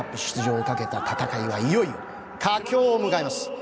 出場をかけた戦いはいよいよ、佳境を迎えます。